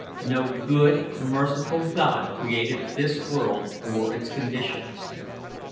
No good, merciful God created this world or its conditions.